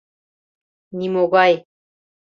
Нимогай